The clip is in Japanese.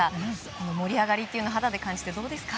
この盛り上がりを肌で感じてどうですか？